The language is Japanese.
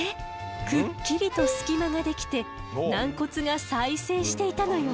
くっきりと隙間ができて軟骨が再生していたのよ。